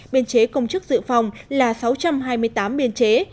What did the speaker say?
biên chế công chức dự phòng là sáu trăm hai mươi tám biên chế